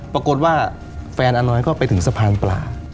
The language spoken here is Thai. ปรากฏว่าแฟนอาน้อยก็ไปถึงสะพานปลา